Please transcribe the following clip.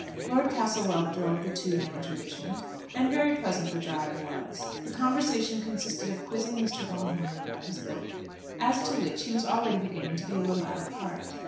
Lord Castlewell drove the two down to Richmond, and very pleasant the drive was. The conversation consisted of quizzing Mr. O'Mahony about his book, as to which he was already beginning to be a little out of heart.